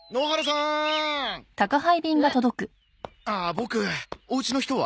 ボクおうちの人は？